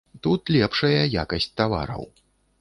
Тут лепшая якасць тавараў.